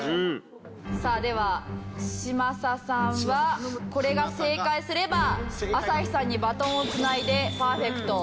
さあでは嶋佐さんはこれが正解すれば朝日さんにバトンを繋いでパーフェクト。